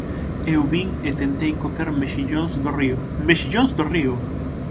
Eu vin e tentei cocer mexillóns do río, ¡mexillóns do río!